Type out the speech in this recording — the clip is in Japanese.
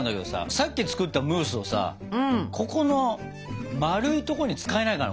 さっき作ったムースをさここの丸いとこに使えないかな？